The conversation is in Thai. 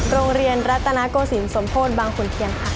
โรงเรียนรัตนโกศิลปสมโพธิบางขุนเทียนค่ะ